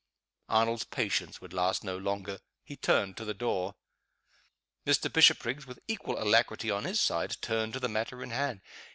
Arnold's patience would last no longer he turned to the door. Mr. Bishopriggs, with equal alacrity on his side, turned to the matter in hand.